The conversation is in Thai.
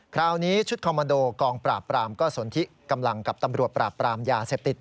คราวนี้ชุดคอมโมโดกองปราบปรามก็สนทิกำลังกับตำรวจปราบปรามยาเสพติด